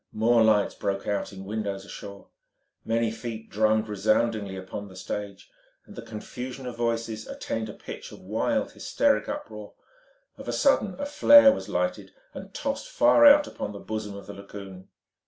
More lights broke out in windows ashore. Many feet drummed resoundingly upon the stage, and the confusion of voices attained a pitch of wild, hysteric uproar. Of a sudden a flare was lighted and tossed far out upon the bosom of the lagoon.